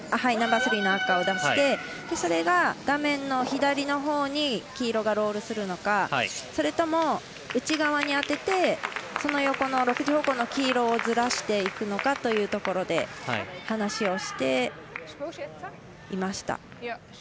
ナンバースリーの赤を出してそれが画面の左のほうにロールするのかそれとも内側に当ててその横の６時方向の黄色をずらしていくのかというところで話をしていました。